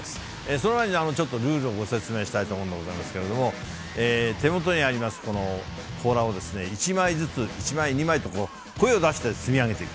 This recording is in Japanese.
その前にちょっとルールをご説明したいと思うんでございますけれども、手元にあります、この甲羅をですね、１枚ずつ、１枚、２枚と声を出して積み上げていく、